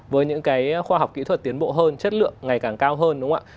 với những cái khoa học kỹ thuật tiến bộ hơn chất lượng ngày càng cao hơn đúng không ạ